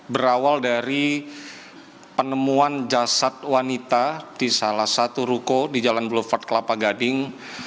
berawal dari penemuan jasad wanita di salah satu ruko di jalan bleuvert kelapa gading